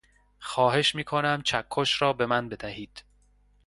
خواهش میکنم چکش را به من بدهید.